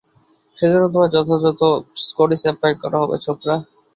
সেজন্য তোমায় যথাযথ স্কটিশ আপ্যায়ন করা হবে, ছোকরা!